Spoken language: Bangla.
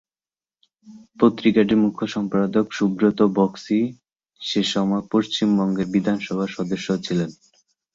পত্রিকাটির মুখ্য সম্পাদক সুব্রত বক্সী সেসময় পশ্চিমবঙ্গের বিধানসভার সদস্যও ছিলেন।